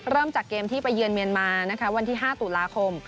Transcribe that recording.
เริ่มจากเกมที่ไปเยือนเมียนมานะคะวันที่๕ตุลาคม